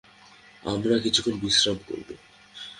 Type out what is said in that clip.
আমরা কিছুক্ষণ বিশ্রাম করবো।